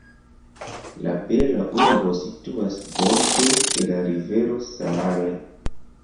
La bela urbo situas borde de la rivero Saale.